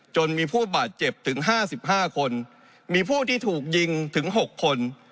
จนมีผู้บาดเจ็บถึงห้าสิบห้าคนมีผู้ที่ถูกยิงถึงหกคน